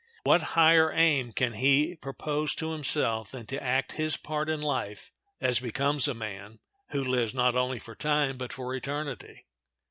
What higher aim can he propose to himself than to act his part in life as becomes a man who lives not only for time but for eternity?